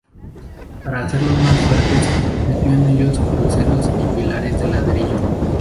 Para hacerlos más fuertes metió en ellos cruceros y pilares de ladrillo.